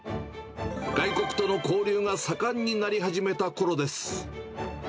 外国との交流が盛んになり始めたころです。